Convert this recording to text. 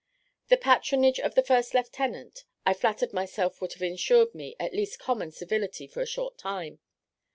The patronage of the first lieutenant, I flattered myself would have ensured me at least common civility for a short time.